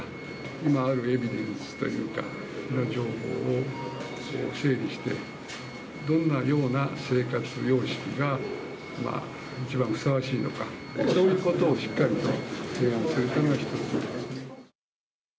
今あるエビデンスというか、情報を整理して、どんなような生活様式が一番ふさわしいのか、そういうことをしっかりと提案するというのが一つですね。